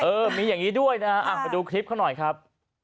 มีอย่างนี้ด้วยนะฮะไปดูคลิปเขาหน่อยครับ